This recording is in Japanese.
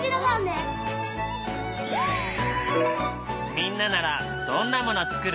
みんなならどんなもの作る？